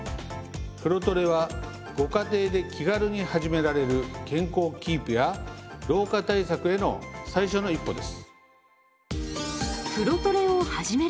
風呂トレはご家庭で気軽に始められる健康キープや老化対策への最初の一歩です。